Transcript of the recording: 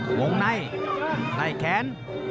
ห่วงในในแขน